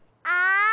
あ！